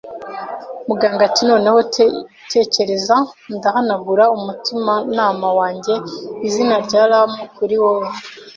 Muganga ati: “Noneho, tekereza, ndahanagura umutimanama wanjye - izina rya rum kuri wewe